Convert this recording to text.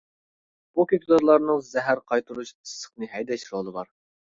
بۇ كۆكتاتلارنىڭ زەھەر قايتۇرۇش، ئىسسىقنى ھەيدەش رولى بار.